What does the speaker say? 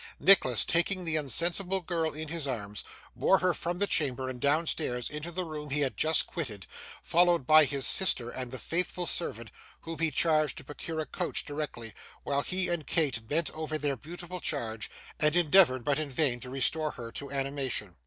Nicholas, taking the insensible girl in his arms, bore her from the chamber and downstairs into the room he had just quitted, followed by his sister and the faithful servant, whom he charged to procure a coach directly, while he and Kate bent over their beautiful charge and endeavoured, but in vain, to restore her to animation.